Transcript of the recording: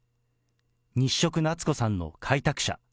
日食なつこさんの開拓者。